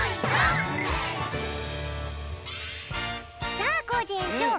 さあコージえんちょう。